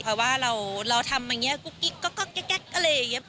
เพราะว่าเราทำอย่างนี้กุ๊กกิ๊กก๊อกอะไรอย่างนี้